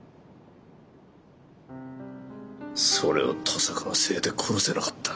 それを登坂のせいで殺せなかった。